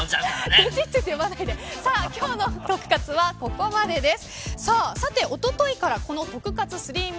今日のトク活はここまでです。